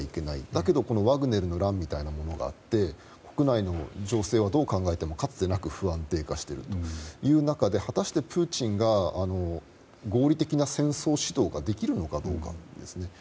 だけど、ワグネルの乱みたいなものがあって国内の情勢を、どう考えてもかつてなく不安定化しているという中で果たしてプーチンが合理的な戦争指導ができるのどうかですね。